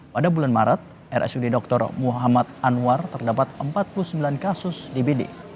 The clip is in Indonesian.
pada bulan maret rsud dr muhammad anwar terdapat empat puluh sembilan kasus dbd